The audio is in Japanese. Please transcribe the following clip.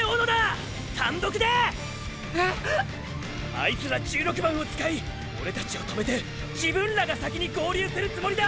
あいつら１６番を使いオレたちを止めて自分らが先に合流するつもりだ！！